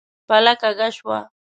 پله کږه شوه.